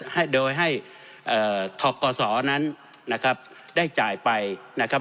ให้โดยให้เอ่อทกศนั้นนะครับได้จ่ายไปนะครับ